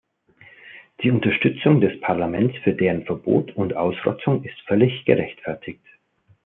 Die Unterstützung des Parlaments für deren Verbot und Ausrottung ist völlig gerechtfertigt.